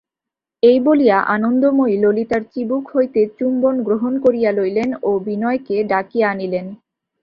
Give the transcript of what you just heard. এই বলিয়া আনন্দময়ী ললিতার চিবুক হইতে চুম্বন গ্রহণ করিয়া লইলেন ও বিনয়কে ডাকিয়া আনিলেন।